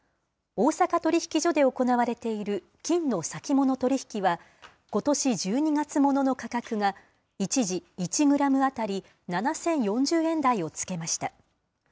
大阪取引所で行われている金の先物取引は、ことし１２月ものの価格が、一時１グラム当たり７０４０円台をつけました。